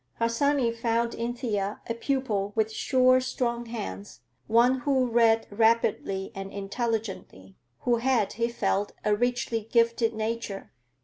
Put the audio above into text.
Harsanyi found in Thea a pupil with sure, strong hands, one who read rapidly and intelligently, who had, he felt, a richly gifted nature.